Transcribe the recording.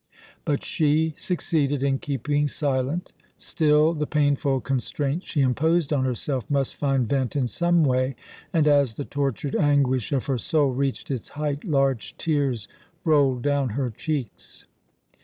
But she succeeded in keeping silent. Still, the painful constraint she imposed on herself must find vent in some way, and, as the tortured anguish of her soul reached its height, large tears rolled down her cheeks.